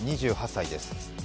２８歳です。